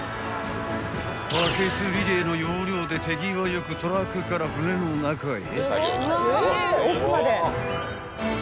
［バケツリレーの要領で手際よくトラックから船の中へ］